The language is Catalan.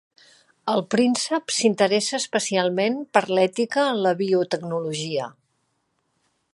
El príncep s'interessa especialment per l'ètica en la biotecnologia.